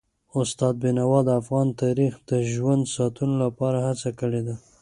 استاد بینوا د افغان تاریخ د ژوندي ساتلو لپاره هڅه کړي ده.